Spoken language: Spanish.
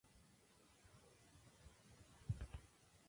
Pasó buena parte de su vida en España.